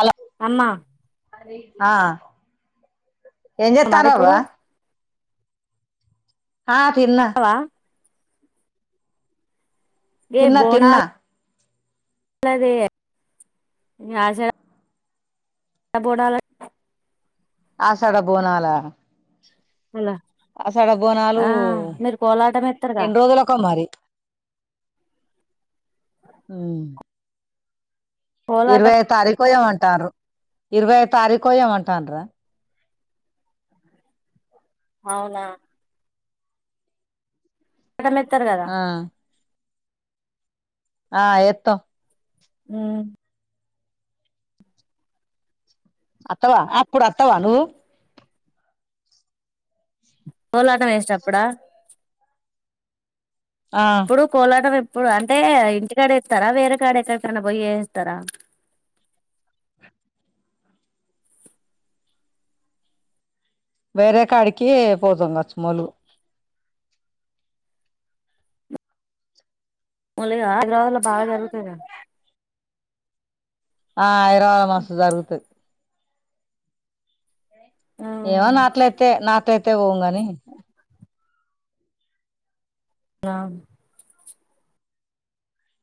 అల అమ్మ ఆ ఏం చెస్త మరి ఇప్పుడు [unintelligible] హ తిన్న వ ఏ తిన్నాతిన్నా బోనాలది [unintelligible] బోడాల ఆషాఢ బోనాలా అలా ఆషాఢ బోనాలు కోలాటం ఎత్తారుగా ఎన్ని రోజులకో మరి కోలాటం ఇరవైయ్యో తారీఖు ఏమంటారు ఇరవై య్యో తారీఖు ఏమంటాడ్రు అవునా అక్కడ మెత్తారు కదా ఆ ఆ ఎత్త ఉమ్ అత్తవా అప్పుడు అత్తవా నువ్వు కోలాటం ఏస్టపుడ ఆ ఇప్పుడు కోలాటం ఎప్పుడు అంటే ఇంటికాడ ఏస్తారా వేరే కాడ ఎక్కడికైనా పోయ ఏస్తారా వేరే కాడికి పోతం కచ్చుమలు ముందుగల్ల హైదరాబాలో బాగా జరుగుతదండి ఆ హైదరాబాద్ల మస్తు జరుగుతది ఏమో నాట్లైతే నాట్లైతే పొంగని రామ్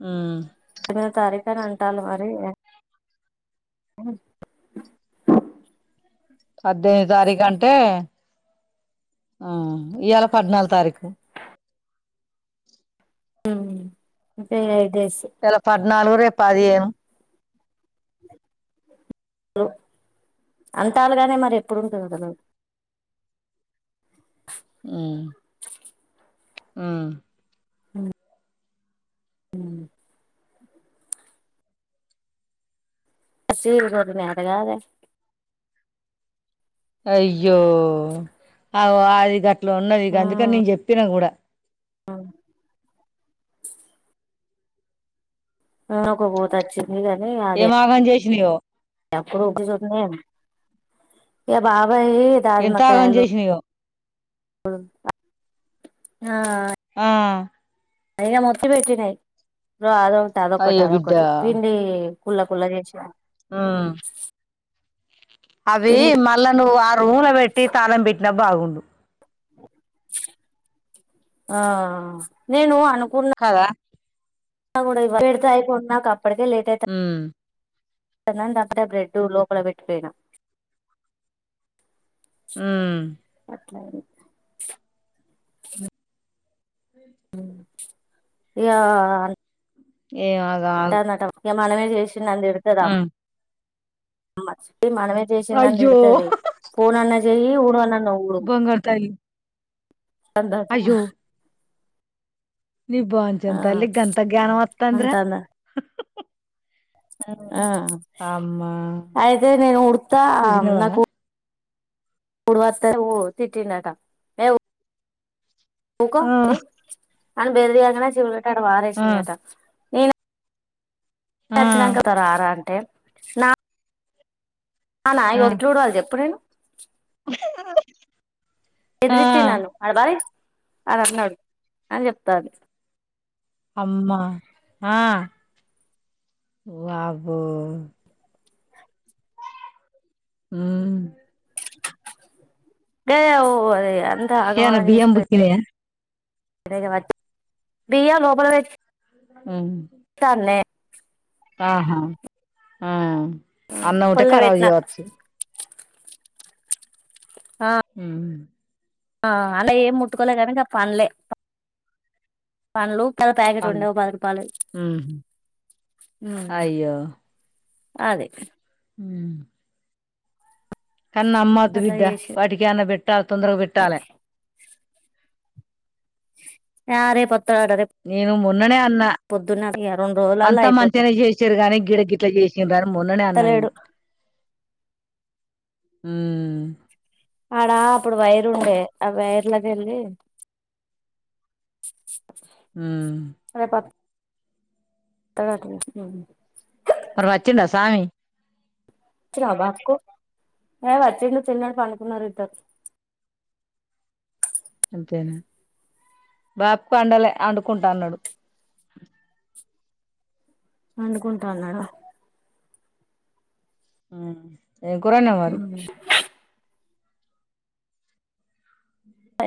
ఉమ్మ్ ఎనిమిదో తారీఖనీ అని అంటాన్రు మరి పద్దెనిమిదో తారీఖ అంటే ఆ ఈయల పద్నాలుగు తారీఖు ఉమ్ ఆ ఎయిట్ డేస్ ఈయల పద్నాలుగు రేపు పదిహేను అంటారు గానీ మరి ఎప్పుడుంటదొ కదా ఉమ్ ఉమ్ ఆ సీలు కొట్టినా అత్తగాదని అయ్యో అ అది గట్లా ఉన్నది అందుకని నేను చెప్పిన కూడ మేకబోతొచి మీదనీ ఏమాగం చేసిపోయినయో ఎప్పుడు ఒకే చోట ఉన్నాయి ఏ బాబాయ్ ఎంత ఆగాం దాజమకాయలు చేసినాయో ఆ ఆ అయినా మొత్తి పెట్టినాయి అదొకటి అదొకటి అయ్యో బిడ్డ అదొకటి పిండి కుల్లా కుల్లా చేసిన ఆ అవి పిండి మళ్ళా నువ్వు ఆ రూమ్ల పెట్టి తాళం పెట్టిన బాగుండు ఆ నేను అనుకున్నా కదా పెడితే అయిపో నాకు అప్పటికే లేట్ అయి ఉ ద అక్కేడే బ్రెడ్ లోపల పెట్టిపోయినా ఉ అట్లా అయింది ఇగా ఏమో అంటుందట ఇగ మనమే చేసినని తీ ఆ మ మనమే చేసిందని అయ్యో తిడుతది ఫోన్ అన్నా చెయ్యి ఉడువనన్న ఉడువు బంగారు తల్లి అంటుందట అయ్యో నీ ఆ బాంచన్ తల్లి గంతా జ్ఞన వత్తాందిరా అంటంద ఆ అమ్మా అయితే నేను ఉడుత్త చూసినవా నాకు ఉడువత్తే ఉడువు తిట్టిండట ఏ ఊకో ఆ పోయి అని బెదిరింగానే చీపురు కట్ట ఆడ ఆ పారేసిందట ఆ వచ్చినాంక రారా అంటే నా అ నా ఆ ఎట్లా ఉడువాలే చూడు చెప్పు నేను బెదిరిచ్చిండు నన్ను ఆడ పారేయ్ అని అన్నాడు అని చెప్తాంది అమ్మా ఆ వవ్వో ఉ గదే ఓవర్ ఇగ ఏమనా బియ్యం బుక్కినయా బియ్యం లోపల పె ఆ డ్తన్నె ఆహా ఆ అన్నం ఉంటే లోపలనే కరాబ్ పెట్టినా చేయొచ్చు ఆ హ ఆ ఆళ్ళై ఏం ముట్టుకోలే కానీ పండ్లే పండ్లు పెద్ద ప్యాకెట్ అన్ ఉండే ఒక పది రూపాయలు హ్మ్ అయ్యో అదే ఉ కానీ నమ్మద్ అట్లా బిడ్డ చేసి వాటికి ఏమన్నా పెట్టాలి తొందరగా పెట్టాలి ఆ రేపత్తడట నేను మొన్ననే అన్న పొద్దున్నే రెండు రోజులు అంతా మంచిగానే చేసారు గాని గిడ గిట్ల చేసిరు అని మొన్ననే అన్నా అత్తలేడు నేను ఆ ఆడా అప్పుడు వైరు ఉండే ఆ వైర్లాకిళ్ళి హ్మ్ రేప అత్తాడట మరి వచ్చిండ స్వామి ఇచ్చినవా బాక్స్ కు ఏ వచ్చి వచ్చిండు తిన్నడు పండుకున్నరిద్దరూ అంతేనా బాపుకు అండలే వండుకుంటా అన్నాడు పడుకుంటా అన్నాడా ఏం కూర వండినావు మరి అ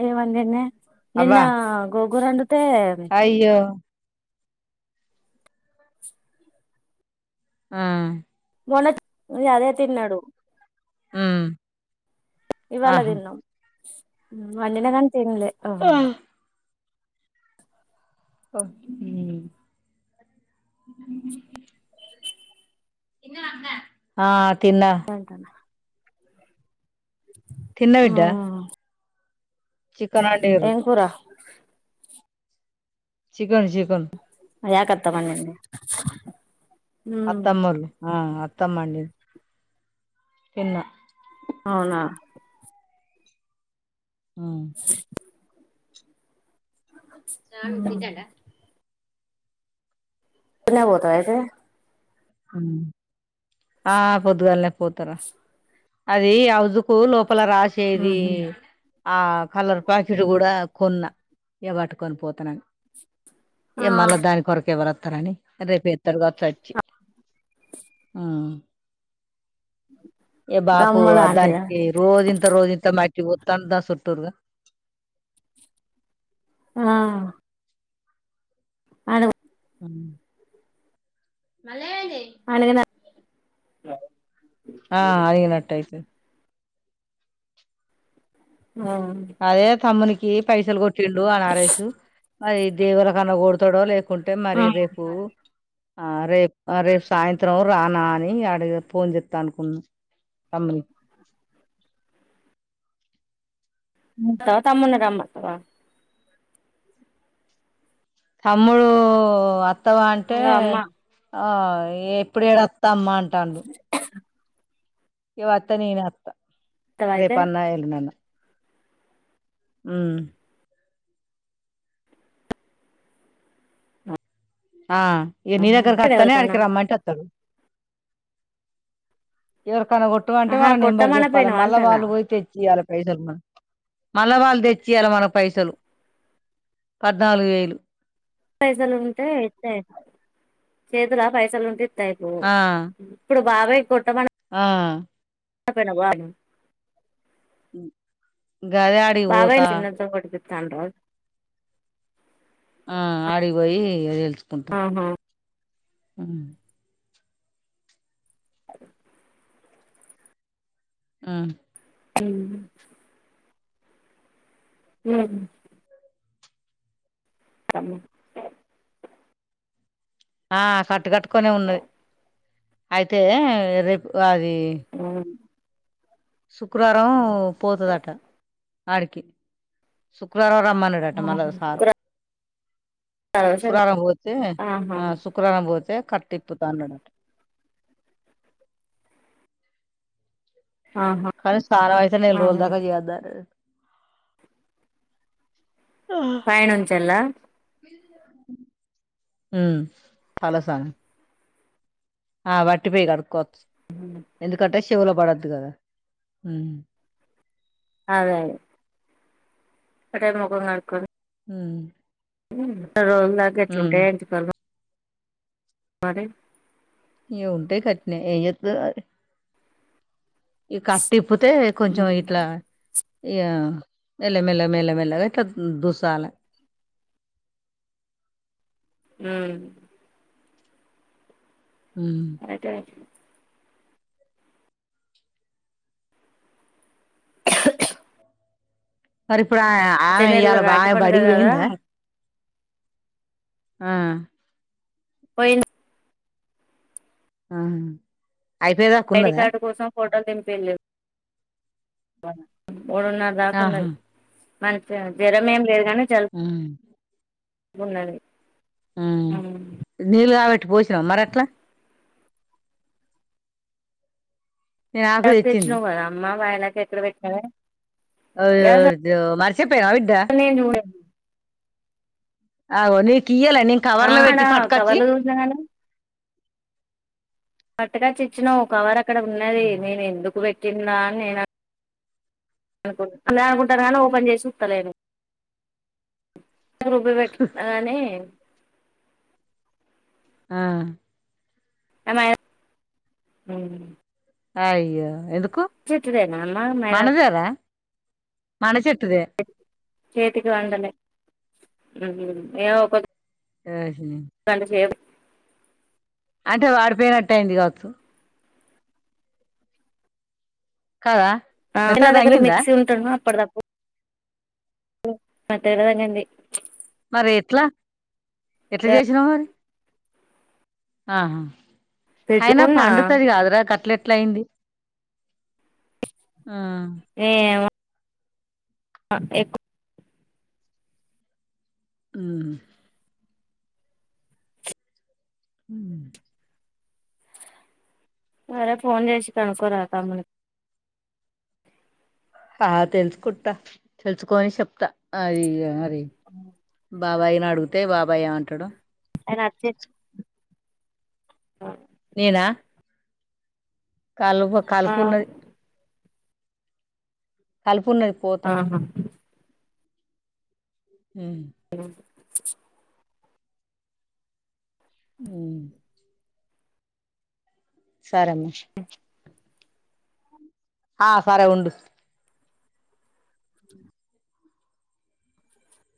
ఏవండిన్నే అవ్వ నిన్న గోంగూర వండితే అయ్యో ఆ మొన్న అదే తిన్నాడు ఉ ఇవాళ తిన్నాం వండిన కానీ తిన్లే ఆ ఓ ఆ తిన్న అంటా తిన్న ఉ బిడ్డ చికెన్ వండిరు కూర చికెన్ చికెన్ మా యాకత్త వండింది అత్తమ్మోళ్లు ఆ అత్తమ్మ వండింది తిన్న అవునా ఉ నాని తింటాండా పొద్దున్నే ఇప్పునే పోతావా అయితే ఆ పొద్దుగాలే పోతారా అది హౌస్కు లోపల రాసేది ఆ కలర్ ప్యాకెట్ కూడా కొన్నా ఇగ పట్టుకొని పోతునని ఏ ఆ మళ్ళా దాని కొరక ఎవరుస్తారని రేపు ఎతరు కావచ్చు వచ్చి వచ్చ ఆ ఇగ బాపు గమ్ములాంటిదా దానికి రోజింత రోజ్ ఇంత మట్కి పుతాడు దాని సుట్టూర్గా ఆ అను మళ్లీ ఏమైంది అలాగే ఆ అనిగీనట్టయితు ఉ అదే తమ్మునికి పైసలు కొట్టిండు ఆ నరేసు అది ఏవలకన్నా కొడతాడో లేక కుంటే మరి రేపు ఆ రేపు రేపు సాయంత్రం రానా అని అడిగ ఫోన్ చెప్తా అనుకున్నా తమ్మునికి ఉంటవ తమ్మున్ని రమ్మంటావా తమ్ముడు అత్తవ అంటే ఇంగ అమ్మ ఆ ఇప్పుడు ఏడవస్తా అమ్మ అంటాడు ఇగ అత్త నేను అత్త వత్తవా అయితే రేపు అన్న ఎల్లుండన్న ఉమ్ ఆ ఇగ నీ దగ్గరికాత్తనే ఆడికి ఎవలికన్నా రమ్మంటే అత్ ఇవర్ కన కొ ట్టు మంటే ఆహా వాళ్ళ నెంబర్ చెప్పాలే కొడతామనపోయినవా మళ్ళ అంటన్నా వాళ్ళు పోయి తెచ్చియాలి పైసలు మ మళ్ళా వాళ్ళు దెచ్చియాలే మన పైసలు పద్నాలుగు వేలు పైసలు ఉంటే ఇత్తే అయిపోవ్ చేతుల పైసలు ఉంటే ఇత్తే అయిపోవ్ ఆ ఇప్పుడు బాబాయ్ కొట్టమన ఆ పోయినవ్ బా గదె ఆడికి పోత బడిదే తండ్ర ఆ ఆడిబొయి ఇగ తెల్సుకుంటా ఆహా అదె ఉ ఉ ఉ డబ్బు ఆ కట్టు కట్టుకొనే ఉన్నది అయితే రేపు గది ఉ సుక్రారం పోతదట ఆడికి సుక్రారం రమ్మన డట మల్ల సారు సుక్రారం పోతే ఆ సుక్రారం పోతే కట్టిప్పుతా అన్నాడట కని సానమ్ అయితే నెల్ రోల్ ఆహా దాక చేయద్దన్నడట ఫైనుంచెల్ల ఉమ్ తాల సను ఆ వట్టి పెయ్యి కడుక్కోవచ్చు ఎందుకంటే శెవుల పడద్దు కదా అదే ముఖం కడుక్కొని ఉమ్మ్ నెల రోజుల దాకా ఎట్లుంటాయి ఎంటికలు మరి ఇగ ఉంటయ్ గట్నే ఎంజెత్తది మరి ఈ కట్టిప్పుతే కొంచెం ఇట్లా మ్మ్ ఇగ మెల్ల మెల్ల మేల్ల మెల్లగా ఇట్లా దుస్సలే ఉ ఉమ్మ్ అయివయేతియ్ మరి ఇప్పుడు ఆయే వచ్చే ఆమె నెలలో ఇయ్యాల రాఖీ పండుగ కదా బడికిపోయిందా ఆ పోయింది ఆ అయిపోయే ఐడి కార్డు కోసం ఫోటో దింపిల్లు [unintelligible] ఆహా దాకున్నది మంచిగా జరం ఏం లేదు గానీ ఉమ్ జలుబ్ ఉన్నది ఉమ్ ఉ నీళ్ళు కాగబెట్టి పోసినవ మరి అట్లా నేను ఆకు [unintelligible] తెచ్చింది తెచ్చినవు కద అమ్మ వాయనకి ఎక్కడ వెట్టినవే అయ్యో యో [unintelligible] మర్చిపోయినవ బిడ్డ నేను చూడ అగో నికియ్యలే నే కవర్ల వెట్టి పట్కచ్చి నానా [unintelligible] పట్టుకొచ్చి ఇచినవ్ కవర్ అక్కడ ఉన్నది నేను ఎందుకు పెట్టిందా అని నేను అనుకుంట నే అనుకుంటన కానీ ఓపెన్చేసి సుత్తలేను రుబ్బి వెట్టుకున్న కనీ [unintelligible] ఆ ఏమై హుమ్మ్ [unintelligible] అయ్యో ఎందుకు చెట్టుదేనా అమ్మ మైదా మనదేరా మన చెట్టుదే చేతికి వండలే హు హమ్ ఏమో ఓసిని గంట సేపు అంటె వాడిపోయినట్టు అయింది కావచ్చు కదా నా మెత్తగా దగ్గర తగిలిందా మిక్సీ ఉంట అప్పడిదప్పుడు తెయదగండి [unintelligible] మరి ఎట్ల ఎట్ల చేసినవ్ మరి ఆహా అయిన పెట్టుకున్నా పండుతది కాదుర గట్ల ఎట్ల అయింది ఆ ఏమో ఆ ఎక్కు హు హామ్ ఉం అదే ఫోన్ చేసి కనుకోరాదు తమ్మునికి ఆ తెలుసుకుంటా తెలుసుకోని చెప్తా అది ఇగ మరి. హ్మ్. బాబాయ్ ని అగితే బాబాయ్ ఏం అంటాడో. ఎన్ని అబ్జెక్ట్ ఆ. [unintelligible] నేనా. కల్పు ఆ కల్పు ఉన్నది కల్పు ఉన్నది. పోతా ఆహా. ఉం ఆ. ఉం సరే అన్న హ్మ్. ఆ సరే ఉండు. ఉచ్చు.